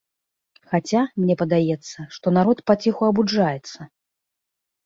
Хаця, мне падаецца, што народ паціху абуджаецца.